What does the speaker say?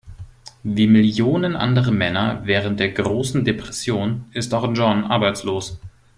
Wie Millionen andere Männer während der Großen Depression ist auch John arbeitslos.